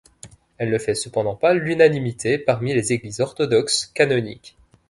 Elle ne fait cependant pas l'unanimité parmi les églises orthodoxes canoniques.